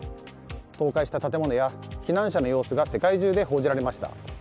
倒壊した建物や避難者の様子が世界中で報じられました。